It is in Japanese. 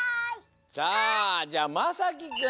じゃあじゃまさきくん。